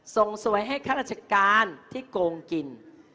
ส่งสวยให้ข้าราชการที่โกงกิน